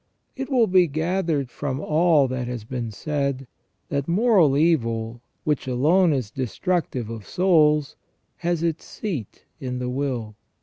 It will be gathered from all that has been said, that moral evil, which alone is destructive of souls, has its seat in the will.